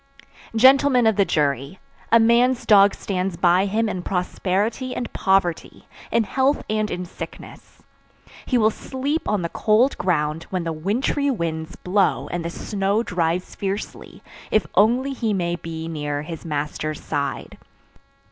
"Gentlemen of the jury, A man's dog stands by him in prosperity and poverty, in health and in sickness. He will sleep on the cold ground, when the wintry winds blow and the snow drives fiercely, if only he may be near his master's side.